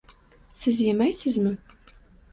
– Siz yemaysizmi?